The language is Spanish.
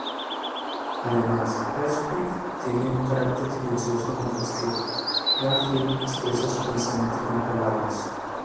Además, Heathcliff tiene un carácter silencioso mientras que Garfield expresa su pensamiento con palabras.